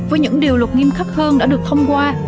với những điều luật nghiêm khắc hơn đã được thông qua